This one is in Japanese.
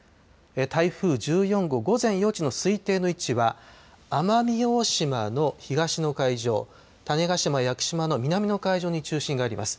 台風１４号午前４時の推定の位置は奄美大島の東の海上種子島、屋久島の南の海上に中心があります。